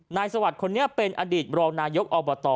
สวัสดิ์คนนี้เป็นอดีตรองนายกอบต